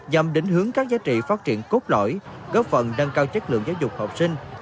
dòng đỉnh hướng các giá trị phát triển cốt lỗi góp phần nâng cao chất lượng giáo dục học sinh